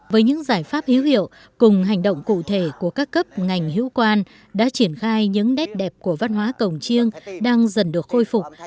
với những giải pháp hữu hiệu cùng hành động cụ thể của các cấp ngành hữu quan đã triển khai những nét đẹp của văn hóa cổng chiêng đang dần được khôi phục